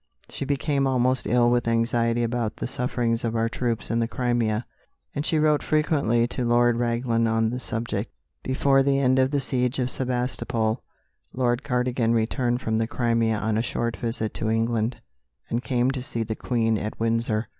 She became almost ill with anxiety about the sufferings of our troops in the Crimea, and she wrote frequently to Lord Raglan on the subject. Before the end of the siege of Sebastopol, Lord Cardigan returned from the Crimea on a short visit to England, and came to see the Queen at Windsor.